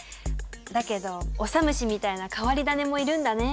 だけどオサムシみたいな変わり種もいるんだね。